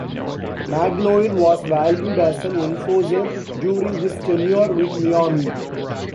Magloire was valued as an enforcer during his tenure with Miami.